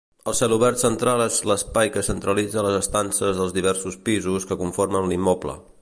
El celobert central és l'espai que centralitza les estances dels diversos pisos que conformen l'immoble.